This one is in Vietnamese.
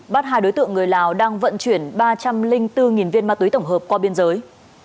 bắt hai đối tượng người lào đang vận chuyển ba trăm linh bốn viên ma túy tổng hợp qua biên giới